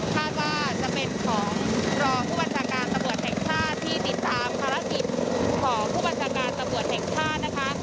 ถ้าว่าจะเป็นของรอผู้บรรยากาศตะเบิดแห่งชาติที่ติดตามภารกิจของผู้บรรยากาศตะเบิดแห่งชาตินะคะ